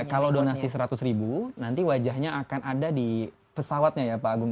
kalau donasi seratus ribu nanti wajahnya akan ada di pesawatnya ya pak agung